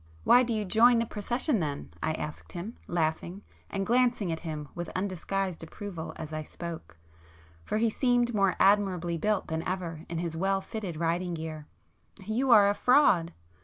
"Why do you join the procession then?" I asked him, laughing and glancing at him with undisguised approval as I spoke, for he seemed more admirably built than ever in his well fitting riding gear—"You are a fraud!"